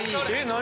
何？